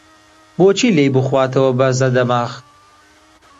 بۆ چی لێی بخواتەوە بەرزە دەماخ؟!